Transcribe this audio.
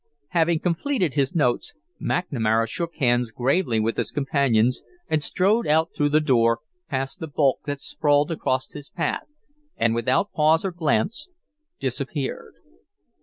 Having completed his notes, McNamara shook hands gravely with his companions and strode out through the door, past the bulk that sprawled across his path, and, without pause or glance, disappeared.